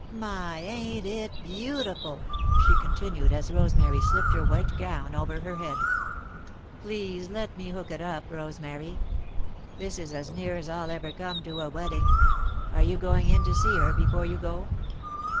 "My, ain't it beautiful!" she continued, as Rosemary slipped her white gown over her head. "Please let me hook it up, Rosemary this is as near as I'll ever come to a wedding. Are you going in to see her before you go?"